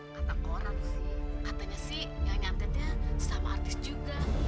karena bagaimanapun juga